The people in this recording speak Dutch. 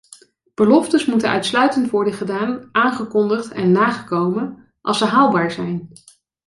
Beloftes moeten uitsluitend worden gedaan, aangekondigd en nagekomen als ze haalbaar zijn.